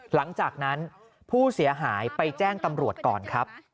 หลังจากนั้นผู้เสียหายไปแจ้งตำรวจก่อนครับ